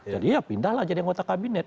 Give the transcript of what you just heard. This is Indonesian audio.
jadi ya pindahlah jadi anggota kabinet